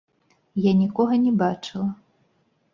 Я нікога не бачыла.